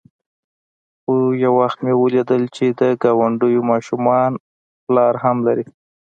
خو يو وخت مې وليدل چې د گاونډيو ماشومان پلار هم لري.